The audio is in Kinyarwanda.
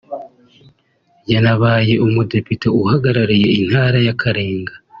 yanabaye umudepite uhagarariye Intara ya Kalenga